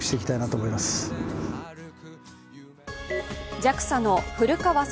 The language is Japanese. ＪＡＸＡの古川聡